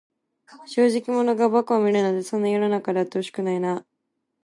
正直者が馬鹿を見るなんて、そんな世の中であってほしくないな。